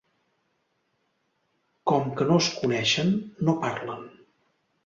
Com que no es coneixen no parlen.